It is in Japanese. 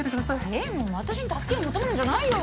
えっもう私に助けを求めるんじゃないよ。